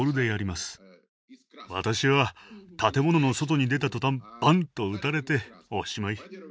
私は建物の外に出た途端「バン！」と撃たれておしまい。